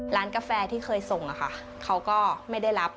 ร้านกาแฟที่เคยส่งเขาก็ไม่ได้รับ